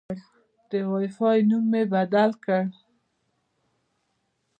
د وای فای نوم مې بدل کړ.